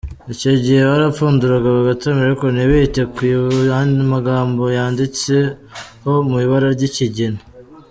Icyo gihe barapfunduraga bagatamira, ariko ntibite ku yandi magambo yanditseho mu ibara ry’ikigina.